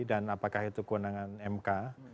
dan apakah itu kewenangan mk